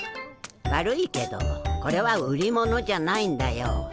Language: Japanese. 悪いけどこれは売り物じゃないんだよ。